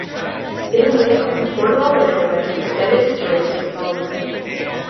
In the meantime the Cornwall Railway had extended its rails to Falmouth.